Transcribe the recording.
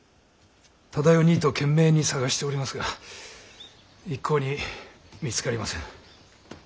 忠世兄ぃと懸命に捜しておりますが一向に見つかりません。